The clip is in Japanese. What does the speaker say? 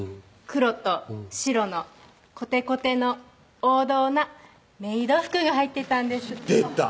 黒と白のコテコテの王道なメイド服が入ってたんです出た！